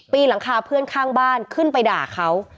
หลังคาเพื่อนข้างบ้านขึ้นไปด่าเขา